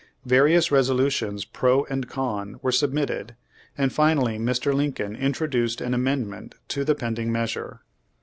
Various resolutions pro and con were submitted, and finally Mr. Lincoln introduced an amendment to Page Thirty the pending measure.